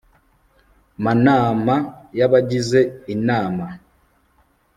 manama y abagize inama